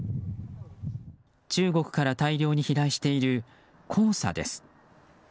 中国から大量に飛来している黄砂です。